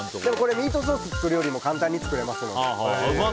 ミートソース作るよりも簡単に作れますので。